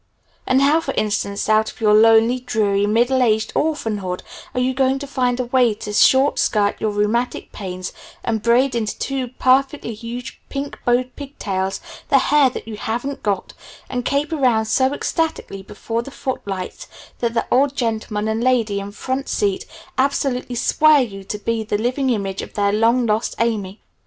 And how, for instance, out of your lonely, dreary, middle aged orphanhood are you going to find a way to short skirt your rheumatic pains, and braid into two perfectly huge pink bowed pigtails the hair that you haven't got, and caper round so ecstatically before the foot lights that the old gentleman and lady in the front seat absolutely swear you to be the living image of their 'long lost Amy'?